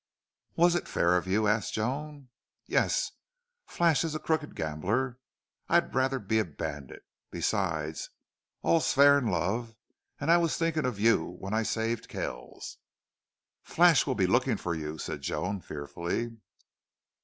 "Was it fair of you?" asked Joan. "Yes. Flash is a crooked gambler. I'd rather be a bandit.... Besides, all's fair in love! And I was thinking of you when I saved Kells!" "Flash will be looking for you," said Joan, fearfully.